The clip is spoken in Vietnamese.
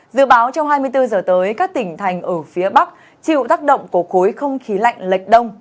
dự báo trong hai mươi bốn giờ tới các tỉnh thành ở phía bắc chịu tác động của khối không khí lạnh lệch đông